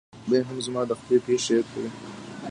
دی هم زما دخولې پېښې کوي.